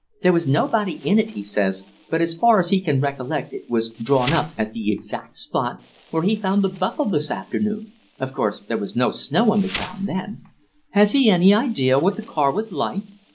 There was nobody in it, he says, but as far as he can recollect it was drawn up at the exact spot where he found the buckle this afternoon. Of course, there was no snow on the ground then." "Has he any idea what the car was like?"